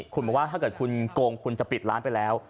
คุณบอกว่าถ้าเกิดคุณโกงคุณจะปิดร้านไปแล้ว